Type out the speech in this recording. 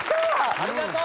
ありがとう！